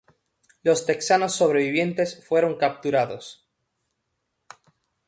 Los texanos sobrevivientes fueron capturados.